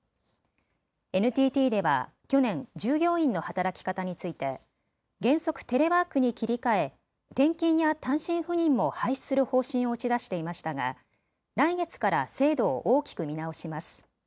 ＮＴＴでは去年、従業員の働き方について原則、テレワークに切り替え転勤や単身赴任も廃止する方針を打ち出していましたが来月から制度を大きく見直します。